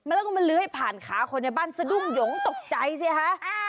แล้วก็มันเลื้อยผ่านขาคนในบ้านสะดุ้งหยงตกใจสิคะ